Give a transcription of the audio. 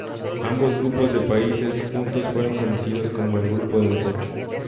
Ambos grupos de países juntos fueron conocidos como el "Grupo de los Ocho".